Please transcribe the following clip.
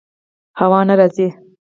هوا نه راځي